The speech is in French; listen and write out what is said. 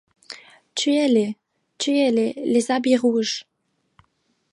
Tuez-les, tuez-les, les habits rouges !